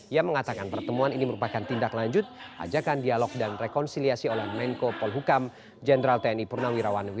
yang mengatakan pertemuan ini merupakan tindak lanjut ajakan dialog dan rekonsiliasi oleh menko polhukai